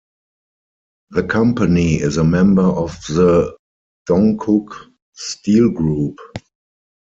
The company is a member of the Dongkuk Steel Group.